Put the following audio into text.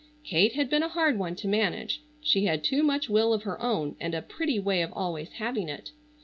Kate had been a hard one to manage. She had too much will of her own and a pretty way of always having it.